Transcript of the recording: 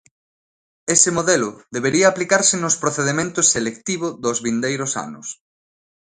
Ese modelo debería aplicarse nos procedementos selectivo dos vindeiros anos.